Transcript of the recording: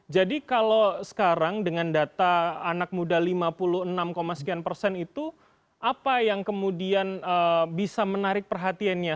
jadi kalau sekarang dengan data anak muda lima puluh enam sekian persen itu apa yang kemudian bisa menarik perhatiannya